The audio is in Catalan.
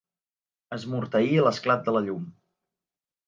Esmorteir l'esclat de la llum.